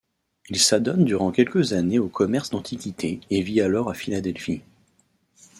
Il s'adonne durant quelques années au commerce d'antiquités et vit alors à Philadelphie.